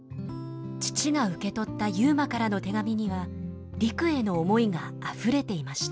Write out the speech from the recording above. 父が受け取った悠磨からの手紙には陸への思いがあふれていました。